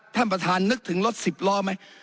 ท่านประธานนึกถึงรถสิบล้อไหม